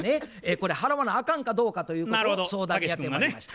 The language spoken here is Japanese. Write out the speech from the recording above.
これ払わなあかんかどうかということを相談にやってまいりました。